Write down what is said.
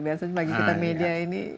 biasanya bagi kita media ini